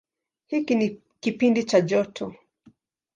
Hiki ni kipindi cha joto.